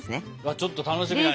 ちょっと楽しみだね。